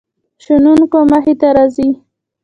شنونکو مخې ته راځي.